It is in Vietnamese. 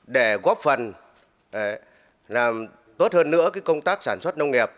để góp phần làm tốt hơn nữa công tác sản xuất nông nghiệp